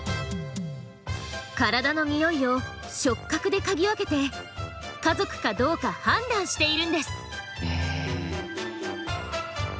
体の匂いを触角で嗅ぎ分けて家族かどうか判断しているんです。